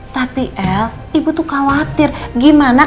tapi el ibu tuh khawatir gimana